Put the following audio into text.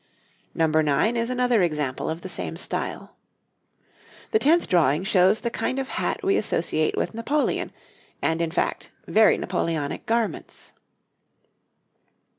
Number nine is another example of the same style. The tenth drawing shows the kind of hat we associate with Napoleon, and, in fact, very Napoleonic garments.